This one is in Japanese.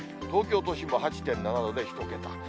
東京都心も８．７度で１桁。